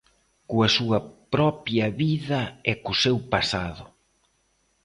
Coa súa propia vida e co seu pasado.